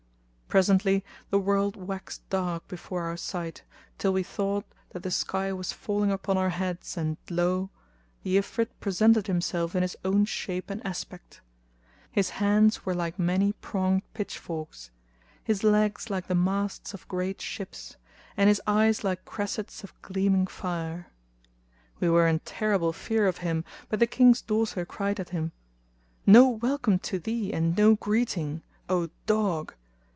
Presently the world waxed dark before our sight till we thought that the sky was falling upon our heads, and lo! the Ifrit presented himself in his own shape and aspect. His hands were like many pronged pitch forks, his legs like the masts of great ships, and his eyes like cressets of gleaming fire. We were in terrible fear of him but the King's daughter cried at him, "No welcome to thee and no greeting, O dog!"